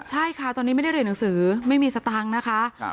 ใช่ค่ะตอนนี้ไม่ได้เรียนหนังสือไม่มีสตางค์นะคะ